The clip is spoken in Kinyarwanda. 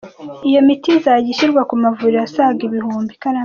Iyo miti izajya ishyirwa ku mavuriro asaga igihumbi.